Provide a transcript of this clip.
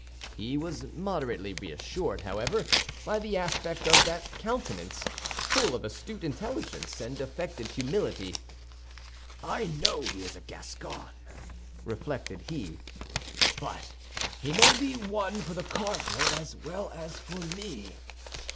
He was moderately reassured, however, by the aspect of that countenance, full of astute intelligence and affected humility. "I know he is a Gascon," reflected he, "but he may be one for the cardinal as well as for me.